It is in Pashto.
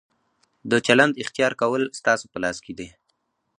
د چلند اختیار کول ستاسو په لاس کې دي.